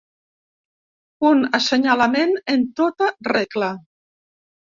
Un assenyalament en tota regla.